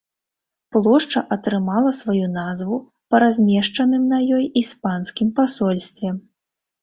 Плошча атрымала сваю назву па размешчаным на ёй іспанскім пасольстве.